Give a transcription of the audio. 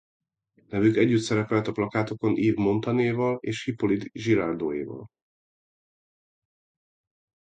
Nevük együtt szerepelt a plakátokon Yves Montand-éval és Hippolyte Girardot-éval.